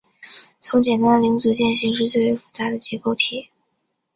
从简单的零组件型式最为复杂的结构体。